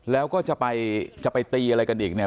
แล้วก็จะไปจะไปตีอะไรกันอีกเนี่ย